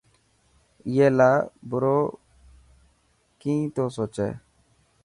اي لاءِ بريو ڪيسن تو سوچي.